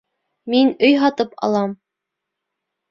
Мин өй һатып алам!